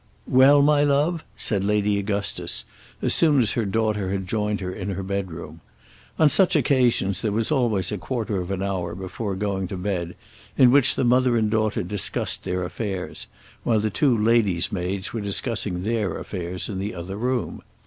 "Well, my love?" said Lady Augustus, as soon as her daughter had joined her in her bedroom. On such occasions there was always a quarter of an hour before going to bed in which the mother and daughter discussed their affairs, while the two lady's maids were discussing their affairs in the other room.